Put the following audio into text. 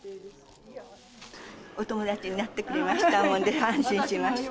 お友達になってくれましたもんで、安心しました。